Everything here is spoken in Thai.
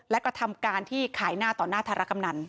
และกระทำการที่ขายหน้าต่อหน้าธารกำนัน